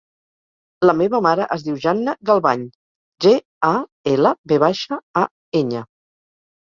La meva mare es diu Janna Galvañ: ge, a, ela, ve baixa, a, enya.